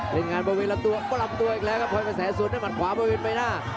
เล่นงานบะวินลับตัวลับตัวอีกแล้วก็พลอยมาแสสูดให้หมัดขวาบะวินไปหน้า